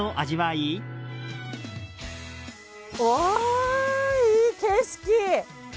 いい景色！